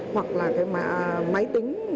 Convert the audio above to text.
hoặc là cái máy tính